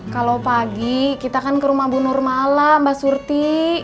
kalau pagi kita kan ke rumah bunur malam mbak suri